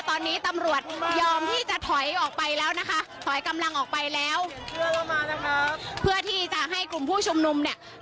ตอนนี้ตำรวจยอมที่จะถอยออกไปแล้วนะคะถอยกำลังออกไปแล้วเพื่อที่จะให้กลุ่มผู้ชุมนุมเนี่ย